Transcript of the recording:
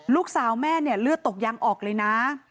ลูกสาวแม่เนี่ยเลือดตกยังออกเลยนะ